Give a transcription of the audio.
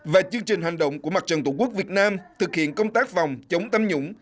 và chương trình hành động của mặt trận tổ quốc việt nam thực hiện công tác vòng chống tâm nhũng